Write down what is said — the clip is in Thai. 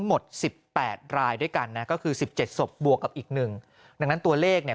หมด๑๘รายด้วยกันนะก็คือ๑๗ศพบวกกับอีก๑นั้นตัวเลขเนี่ย